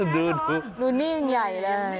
ดูดูนี่ยังใหญ่เลย